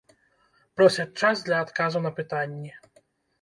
Просяць час для адказу на пытанні.